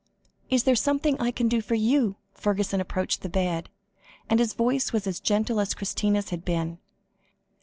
"Is there something I can do for you?" Fergusson approached the bed, and his voice was as gentle as Christina's had been.